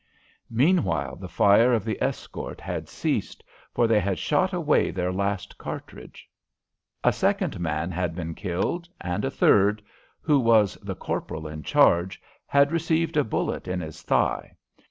Meanwhile the fire of the escort had ceased, for they had shot away their last cartridge. A second man had been killed, and a third who was the corporal in charge had received a bullet in his thigh.